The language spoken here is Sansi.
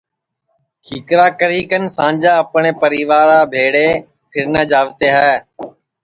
کھیکرا کری کن سانجا اپٹؔے پریوا بھیݪے پھیرنے جاوتے ہے